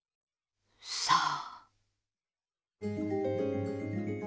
さあ。